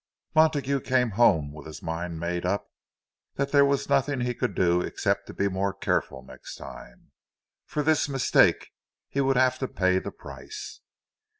Montague came home with his mind made up that there was nothing he could do except to be more careful next time. For this mistake he would have to pay the price.